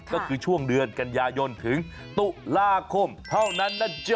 ก็คือช่วงเดือนกันยายนถึงตุลาคมเท่านั้นนะจ๊ะ